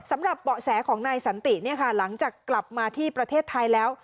สำหรับเปาะแสของนายสันติหลังจากกลับมาที่ประเทศไทยแล้ว